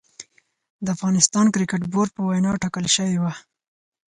د افغانستان کريکټ بورډ په وينا ټاکل شوې وه